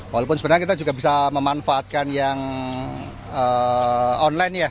walaupun sebenarnya kita juga bisa memanfaatkan yang online ya